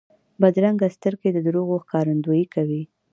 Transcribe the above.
بدرنګه سترګې د دروغو ښکارندویي کوي